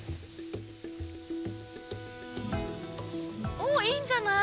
おっいいんじゃない？